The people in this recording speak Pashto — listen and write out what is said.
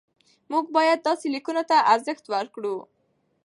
موږ باید داسې لیکنو ته ارزښت ورکړو.